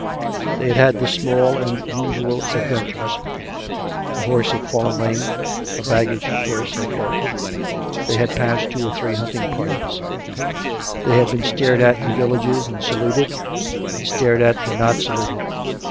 They had had the small and usual adven tures ; a horse had fallen lame ; a baggage horse had bolted ; they had passed two or three hunting parties; they had been stared at in villages and saluted, and stared at and not saluted.